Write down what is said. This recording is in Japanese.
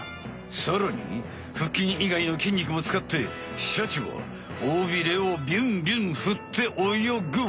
さらに腹筋いがいのきんにくも使ってシャチは尾ビレをビュンビュンふっておよぐ。